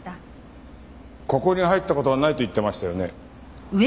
ここに入った事はないと言ってましたよね？